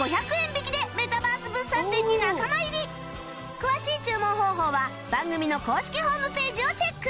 詳しい注文方法は番組の公式ホームページをチェック